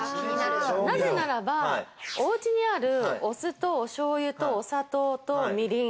なぜならば、おうちにあるお酢とおしょうゆとお砂糖とみりん。